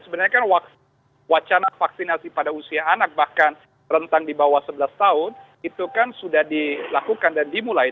sebenarnya kan wacana vaksinasi pada usia anak bahkan rentang di bawah sebelas tahun itu kan sudah dilakukan dan dimulai